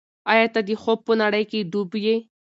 ایا ته د خوب په نړۍ کې ډوب یې؟